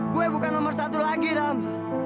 gue bukan nomor satu lagi ram